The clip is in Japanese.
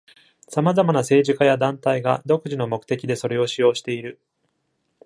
様々な政治家や団体が、独自の目的でそれを使用している。